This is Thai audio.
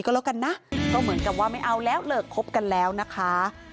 ก็เหมือนกับว่าไม่เอาแล้วเหลอครบกันแล้วนะคะ